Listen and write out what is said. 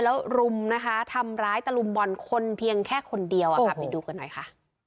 แล้วรุมนะคะทำร้ายตะลุมบอลคนเพียงแค่คนเดียวอะค่ะไปดูกันหน่อยค่ะ